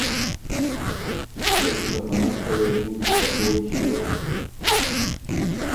کُورۀ کی له خه نک څه غوېکِن خه پویٛ ݭیوک